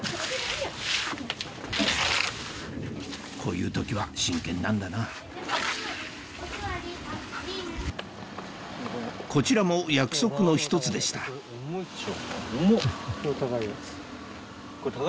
こういう時は真剣なんだなこちらも約束の１つでした重っ！